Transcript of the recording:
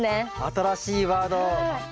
新しいワード！